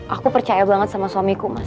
aku percaya banget sama suamiku